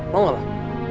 mau gak mbak